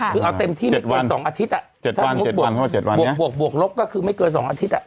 คือเอาเต็มที่ไม่เกิน๒อาทิตย์ถ้าสมมุติบวกลบก็คือไม่เกิน๒อาทิตย์